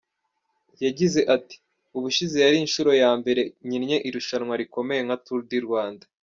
Yagize ati “Ubushize yari inshuro ya mbere nkinnye irushanwa rikomeye nka Tour du Rwanda.